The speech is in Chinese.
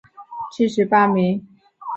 殿试登进士第二甲第七十八名。